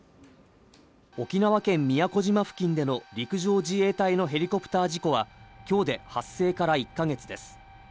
沖縄県宮古島付近での陸上自衛隊のヘリコプター事故は今日で発生から１ヶ月です。